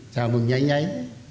chào mừng nháy nháy